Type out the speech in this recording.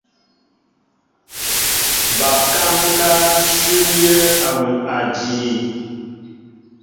Ba kaŋ ká nshu miǝn awuŭ àjii.